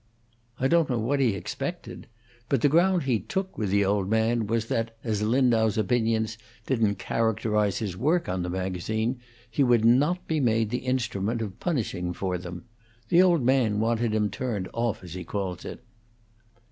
"I don't know what he expected, but the ground he took with the old man was that, as Lindau's opinions didn't characterize his work on the magazine, he would not be made the instrument of punishing him for them the old man wanted him turned off, as he calls it."